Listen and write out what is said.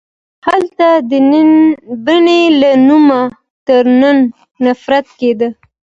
هلته د بنې له نومه تر ننه نفرت کیږي